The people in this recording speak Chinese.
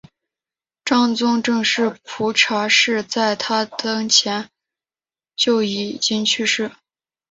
章宗的正室蒲察氏在他登基前就已经去世。